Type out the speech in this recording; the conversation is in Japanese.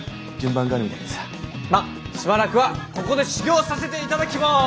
まあしばらくはここで修業させて頂きます。